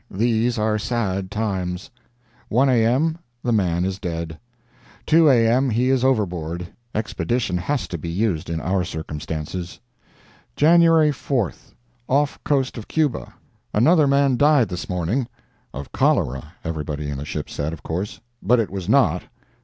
These are sad times." "1 A.M.—The man is dead." "2 A.M. He is overboard. Expedition has to be used in our circumstances." "JANUARY 4th.—Off coast of Cuba. Another man died this morning—of cholera, everybody in the ship said, of course—but it was not.